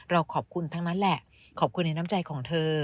เราขอบคุณทั้งนั้นแหละขอบคุณในน้ำใจของเธอ